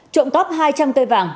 trộm tóp hai trăm linh cây vàng